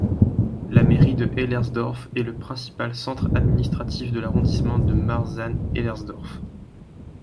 La mairie de Hellersdorf est le principal centre administratif de l'arrondissement de Marzahn-Hellersdorf.